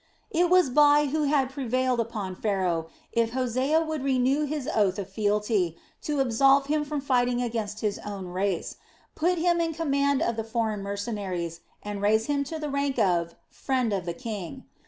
It was Bai who had prevailed upon Pharaoh, if Hosea would renew his oath of fealty, to absolve him from fighting against his own race, put him in command of the foreign mercenaries and raise him to the rank of a "friend of the king."